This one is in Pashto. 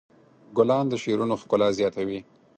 ګلان د شعرونو ښکلا زیاتوي.